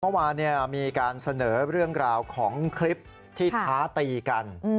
เมื่อวานมีการเสนอเรื่องราวของคลิปที่ท้าตีกัน